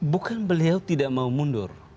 bukan beliau tidak mau mundur